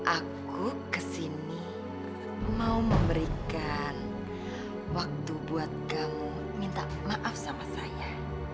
aku kesini mau memberikan waktu buat kamu minta maaf sama saya